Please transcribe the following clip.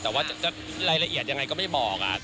แต่ว่าจะรายละเอียดยังไงก็ไม่บอก